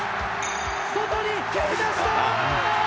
外に蹴り出した！